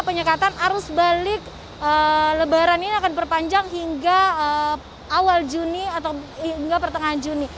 penyekatan arus balik lebaran ini akan diperpanjang hingga awal juni atau hingga pertengahan juni